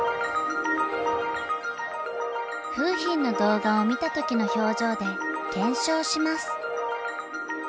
楓浜の動画を見た時の表情で検証します。